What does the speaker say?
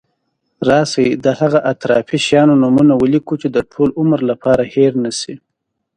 راشي د هغه اطرافي شیانو نومونه ولیکو چې د ټول عمر لپاره هېر نشی.